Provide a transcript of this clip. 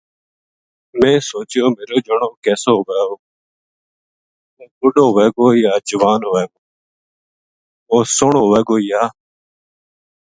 میں سوچیو جے میرو جنو کِسو وھے گو ؟ وُہ بُڈھو وھے گو جے جوان وھے گو ؟ وُہ سوہنو وھے گو یا